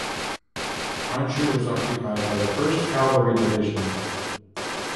Honshu was occupied by the First Cavalry Division.